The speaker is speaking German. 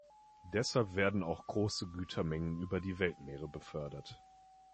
Deshalb werden auch große Gütermengen über die Weltmeere befördert.